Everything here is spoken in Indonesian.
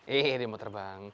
ee dia mau terbang